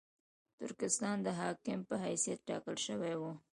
ترکستان د حاکم په حیث ټاکل شوی وو.